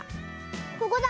ここだ。